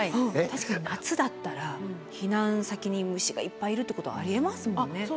確かに夏だったら避難先に虫がいっぱいいるってことはありえますもんね。